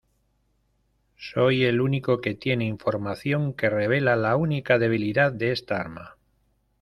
Soy el único que tiene información que revela la única debilidad de esta arma.